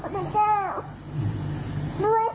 ด้วยสวรรค์